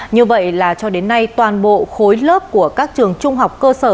như vậy là cho đến nay toàn bộ khối lớp của các trường trung học cơ sở